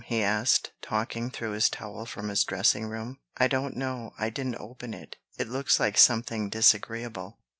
he asked, talking through his towel from his dressing room. "I don't know. I didn't open it. It looks like something disagreeable."